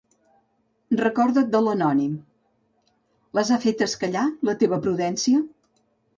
Recorda't de l'anònim: ¿les ha fetes callar, la teva prudència?